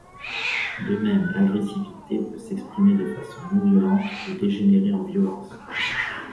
De même l'agressivité peut s'exprimer de façon non-violente ou dégénérer en violence.